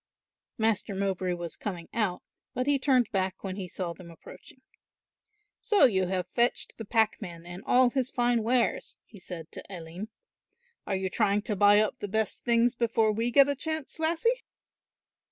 Master Mowbray was coming out, but he turned back when he saw them approaching. "So you have fetched the packman and all his fine wares," he said to Aline. "Are you trying to buy up the best things before we get a chance, lassie?"